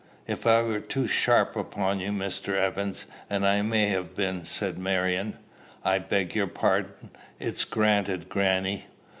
"If I was too sharp upon you, Mr. Evans, and I may have been," said Marion, "I beg your pardon." "It's granted, grannie."